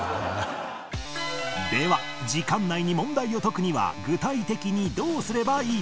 では時間内に問題を解くには具体的にどうすればいいのか？